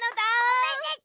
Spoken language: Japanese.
おめでと！